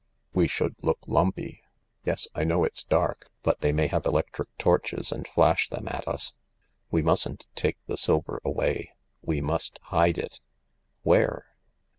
"We should look lumpy. .Yes, I know it's dark— but they may have electric torches and flash them at us. We mustn't take the silver away — we must hide it." "Where?"